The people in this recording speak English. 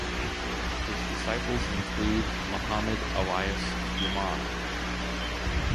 His disciples include Muhammad Ilyas Ghuman.